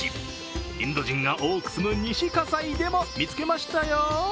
インド人が多く住む西葛西でも見つけましたよ。